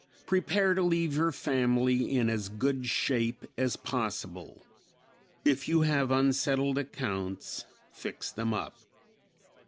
Prepare to leave your family in as good shape as possible. If you have unsettled accounts fix them up."